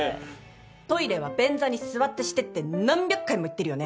「トイレは便座に座ってしてって何百回も言ってるよね」